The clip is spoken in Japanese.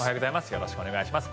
よろしくお願いします。